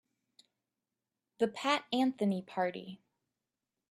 The Pat Anthony Party.